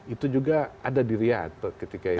itu juga ada di riyad ketika itu